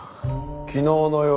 昨日の夜